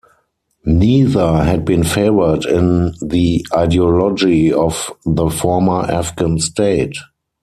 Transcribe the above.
Neither had been favored in the ideology of the former Afghan state.